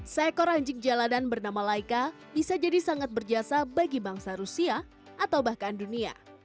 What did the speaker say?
seekor anjing jalanan bernama laika bisa jadi sangat berjasa bagi bangsa rusia atau bahkan dunia